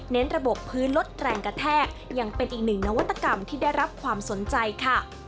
ระบบพื้นลดแรงกระแทกยังเป็นอีกหนึ่งนวัตกรรมที่ได้รับความสนใจค่ะ